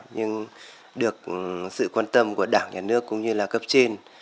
nhưng được sự quan tâm của đảng nhà nước cũng như là cấp trên